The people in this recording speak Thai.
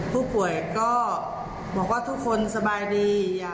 ผู้ป่วยก็บอกว่าทุกคนสบายดี